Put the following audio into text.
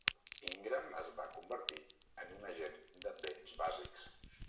Ingram es va convertir en un agent de bens bàsics.